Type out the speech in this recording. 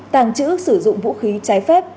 tàng trữ sử dụng vũ khí trái phép